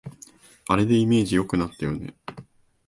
あれでイメージ良くなったよね